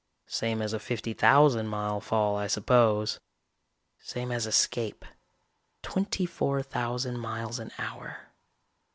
Same as a fifty thousand mile fall, I suppose; same as escape; twenty four thousand miles an hour.